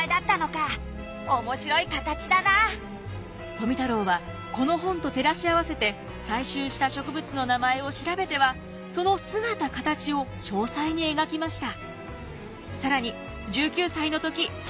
富太郎はこの本と照らし合わせて採集した植物の名前を調べてはその姿形を詳細に描きました。